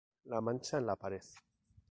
La mancha en la pared.